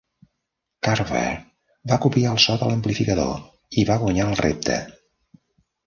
Carver va copiar el so de l'amplificador i va guanyar el repte.